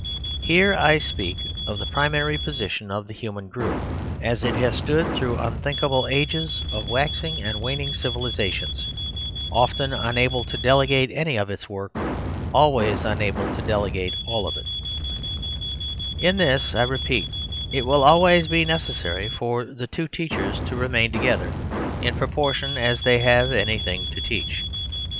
Here I speak of the primary position of the human group, as it has stood through unthinkable ages of waxing and waning civilisations; I> . f The Story of the Family 65 often unable to delegate any of its work, al ways unable to delegate all of it In this, I repeat, it will always be necessary for the two teachers to remain together, in propor tion as they have anything to teach.